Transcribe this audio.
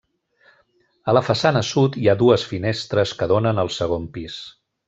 A la façana sud hi ha dues finestres que donen al segon pis.